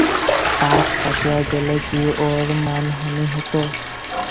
পাশ কাটিয়ে গেলে কি ওর মানহানি হত।